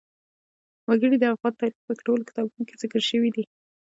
وګړي د افغان تاریخ په ټولو کتابونو کې ذکر شوي دي.